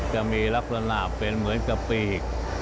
จะมีลักษณะเป็นเหมือนกับปีก